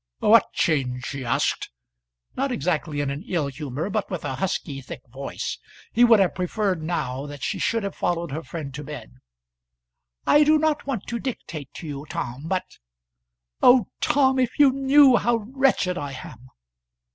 "What change?" he asked; not exactly in an ill humour, but with a husky, thick voice. He would have preferred now that she should have followed her friend to bed. "I do not want to dictate to you, Tom, but ! Oh Tom, if you knew how wretched I am!"